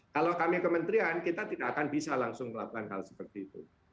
kalau kami kementerian kita tidak akan bisa langsung melakukan hal seperti itu